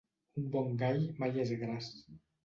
Un bon gall mai és gras.